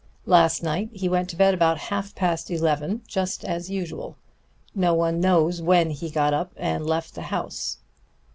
Last night he went to bed about half past eleven, just as usual. No one knows when he got up and left the house.